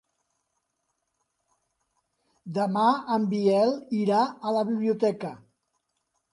Demà en Biel irà a la biblioteca.